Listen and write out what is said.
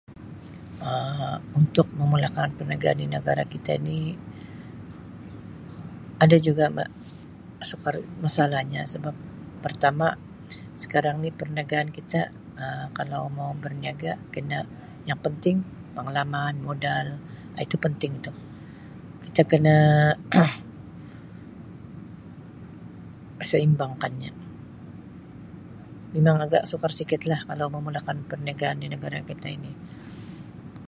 Um untuk memulakan perniagaan si negara kita ni ada juga sukar masalahnya sebab pertama sekarang ni perniagaan kita Um kalau mau berniaga kena yang penting pengalaman, modal, Um itu penting itu. Kita kena seimbangkannya. memang agak sukar sikit kah kalau mahu memulakan perniagaan di negara kita ini.